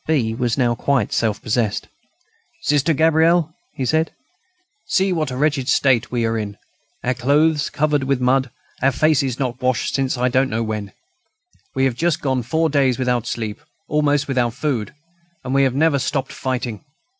B. was now quite self possessed. "Sister Gabrielle," he said, "see what a wretched state we are in; our clothes covered with mud, our faces not washed since I don't know when. We have just gone four days without sleep, almost without food, and we have never stopped fighting.